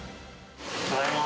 ただいまー。